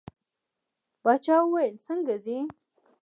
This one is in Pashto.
باچا وویل څنګه ځې.